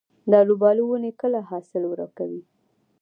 د الوبالو ونې کله حاصل ورکوي؟